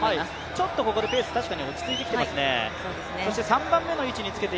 ちょっとここでペース、確かに落ち着いてきていますね。